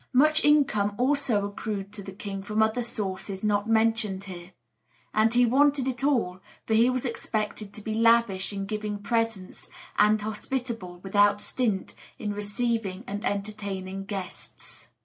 Much income also accrued to the king from other sources not mentioned here; and he wanted it all, for he was expected to be lavish in giving presents, and hospitable without stint in receiving and entertaining guests.